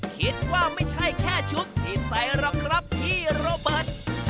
คิดว่าไม่ใช่แค่ชุบที่ใส่หรอกครับพี่โรเบิร์ต